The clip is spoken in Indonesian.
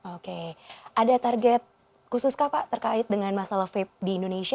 oke ada target khusus kak pak terkait dengan masalah vape di indonesia